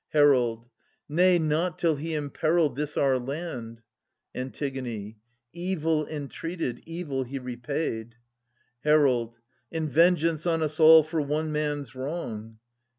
Herald. Nay, not till he imperilled this our land. Antigone. Evil entreated, evil he repaid — Herald. In vengeance on us all for one man's wrong